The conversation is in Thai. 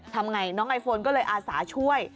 ทำไงน้องไอโฟนก็เลยอาสาช่วย